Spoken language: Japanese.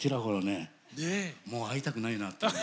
もう会いたくないなっていう。